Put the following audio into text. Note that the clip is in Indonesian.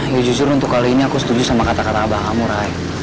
ya jujur untuk kali ini aku setuju sama kata kata abang kamu rai